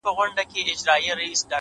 لوستل ذهن پراخوي’